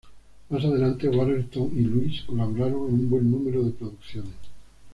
Más adelante Warrenton y Louise colaboraron en un buen número de producciones.